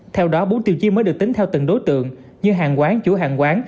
theo đó bốn tiêu chí mới được tính theo từng đối tượng như hàng quán chuỗi hàng quán